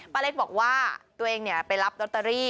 เล็กบอกว่าตัวเองไปรับลอตเตอรี่